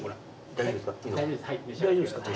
大丈夫ですか？